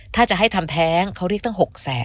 ถ้าจะให้ทำแท้งเขาเรียกตั้ง๖แสน